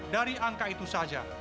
dari angka itu saja